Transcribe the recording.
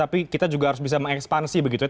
tapi kita juga harus bisa mengekspansi begitu ya